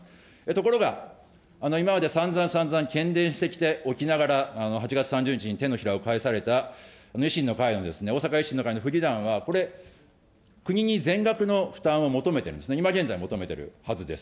ところが、今までさんざんさんざん喧伝してきておきながら、８月３０日に手のひらを返された維新の会のですね、大阪維新の会の府議団は、これ、国に全額の負担を求めてるんですね、今現在求めているはずです。